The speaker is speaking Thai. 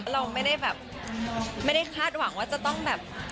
เราไม่ได้แบบไม่ได้คาดหวังว่าจะต้องแบบ